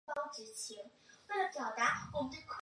本条目列出爱沙尼亚政党。